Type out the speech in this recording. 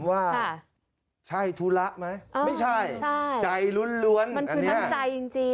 ว่าใช่ธุระมั้ยอ๋อไม่ใช่ใช่ใจล้วนล้วนมันคือน้ำใจจริงจริง